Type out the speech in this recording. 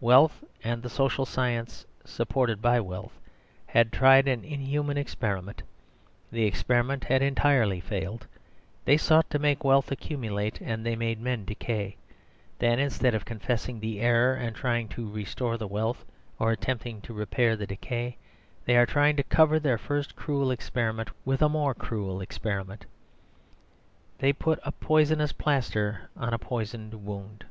Wealth, and the social science supported by wealth, had tried an inhuman experiment. The experiment had entirely failed. They sought to make wealth accumulate and they made men decay. Then, instead of confessing the error, and trying to restore the wealth, or attempting to repair the decay, they are trying to cover their first cruel experiment with a more cruel experiment. They put a poisonous plaster on a poisoned wound.